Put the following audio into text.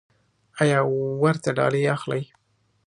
ایا ورته ډالۍ اخلئ؟